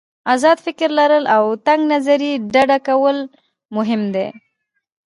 آزاد فکر لرل او له تنګ نظري ډډه کول مهم دي.